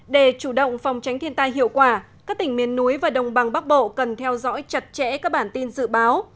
để chủ động phòng tránh thiên tai hiệu quả các tỉnh miền núi và đồng bằng bắc bộ cần theo dõi chặt chẽ các bản tin dự báo